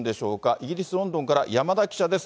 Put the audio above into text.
イギリス・ロンドンから山田記者です。